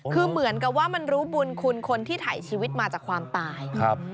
คือเหมือนกับว่ามันรู้บุญคุณคนที่ถ่ายชีวิตมาจากความตาย